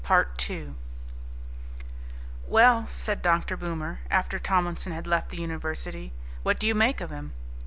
"Well," said Dr. Boomer, after Tomlinson had left the university, "what do you make of him?"